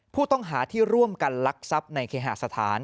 ผู้ต้องหาที่ร่วมกันลักทรัพย์ในเคหาสถาน